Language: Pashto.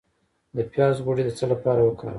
د پیاز غوړي د څه لپاره وکاروم؟